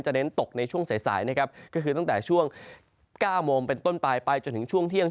เน้นตกในช่วงสายสายนะครับก็คือตั้งแต่ช่วง๙โมงเป็นต้นปลายไปจนถึงช่วงเที่ยง